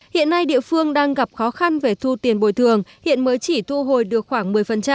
hiện nay địa phương đang gặp khó khăn về thu tiền bồi thường hiện mới chỉ thu hồi được khoảng một mươi